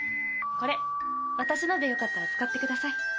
これ私のでよかったら使ってください。